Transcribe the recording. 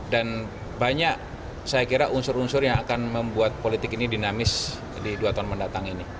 dan banyak saya kira unsur unsur yang akan membuat politik ini dinamis di dua tahun mendatang ini